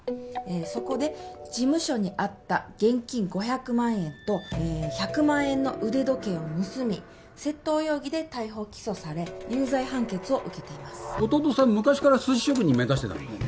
そこで事務所にあった現金５００万円と１００万円の腕時計を盗み窃盗容疑で逮捕起訴され有罪判決を受けています弟さん昔から寿司職人目指してたの？